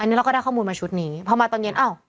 อันนี้เราก็ได้ข้อมูลมาชุดนี้พอมาตอนเย็นอ้าว